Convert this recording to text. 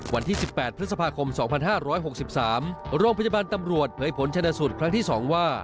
วันที่๑๘พฤษภาคม๒๕๖๓โรงพยาบาลตำรวจเผยผลชนสูตรครั้งที่๒ว่า